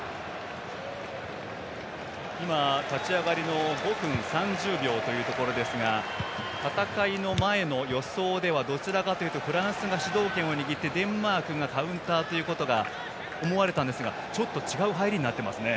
立ち上がりの５分３０秒というところですが戦いの前の予想ではどちらかというとフランスが主導権を握ってデンマークがカウンターということが思われたんですがちょっと違う入りになってますね。